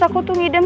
aku tuh ngidam